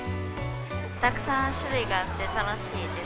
たくさん種類があって楽しいです。